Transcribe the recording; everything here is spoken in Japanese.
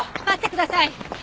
待ってください。